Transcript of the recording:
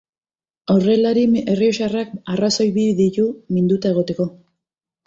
Aurrelari errioxarrak arrazoi bi ditu minduta egoteko.